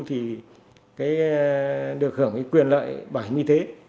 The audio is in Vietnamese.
thì được hưởng quyền lợi bảo hiểm y tế